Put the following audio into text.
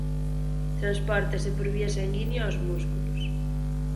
Transpórtase por vía sanguínea aos músculos.